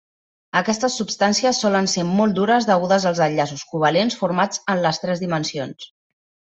Aquestes substàncies solen ser molt dures degudes als enllaços covalents formats en les tres dimensions.